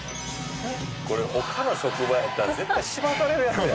「これ他の職場やったら絶対しばかれるやつや」